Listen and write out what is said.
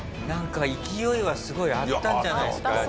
なんか勢いはすごいあったんじゃないですか？